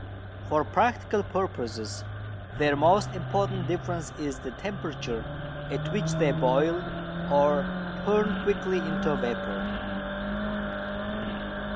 For practical purposes their most important difference is the temperature at which they boil, or turn quickly into vapour.